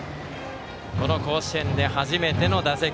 この甲子園で初めての打席。